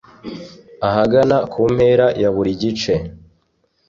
ahagana ku mpera ya buri gice